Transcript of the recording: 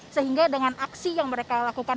sehingga dengan aksi yang mereka lakukan